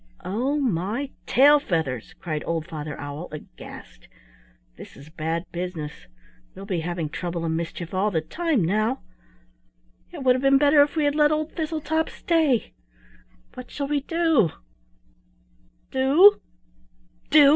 "Oh, my tail feathers!" cried old Father Owl aghast. "This is bad business; we'll be having trouble and mischief all the time now. It would have been better if we had let old Thistletop stay. What shall we do?" "Do! do!"